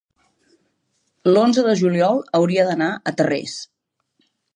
l'onze de juliol hauria d'anar a Tarrés.